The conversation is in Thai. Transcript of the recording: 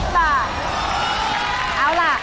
๑๑บาท